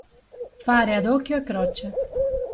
Fare ad occhio e croce.